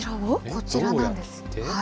こちらなんです。